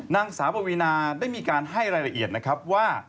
นางสาวปวีนาได้มีการให้รายละเอียดนะครับว่า